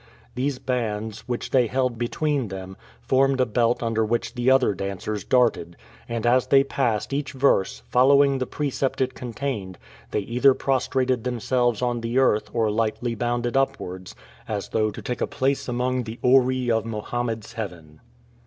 These bands, which they held between them, formed a belt under which the other dancers darted; and, as they passed each verse, following the precept it contained, they either prostrated themselves on the earth or lightly bounded upwards, as though to take a place among the houris of Mohammed's heaven.